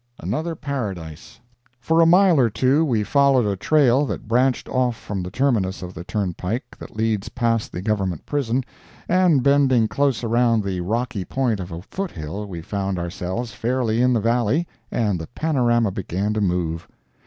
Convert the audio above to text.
ANOTHER PARADISE For a mile or two we followed a trail that branched off from the terminus of the turnpike that leads past the Government prison, and bending close around the rocky point of a foothill we found ourselves fairly in the valley, and the panorama began to move.